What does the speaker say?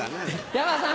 山田さん